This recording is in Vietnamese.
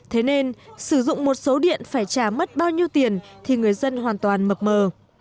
thế nên sử dụng một số điện phải trả mất bao nhiêu tiền thì người dân hoàn toàn mập mờ